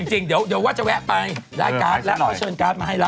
จริงเดี๋ยวว่าจะแวะไปได้การ์ดแล้วก็เชิญการ์ดมาให้แล้ว